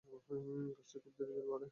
গাছটি খুব ধীরে ধীরে বাড়ে।